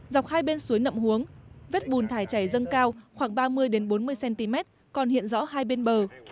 dọc hai bên suối nậm hướng vết bùn thải chảy dâng cao khoảng ba mươi bốn mươi cm còn hiện rõ hai bên bờ